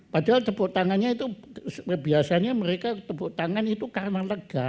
padahal tepuk tangannya itu biasanya mereka tepuk tangan itu karena lega